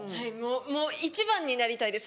もう一番になりたいです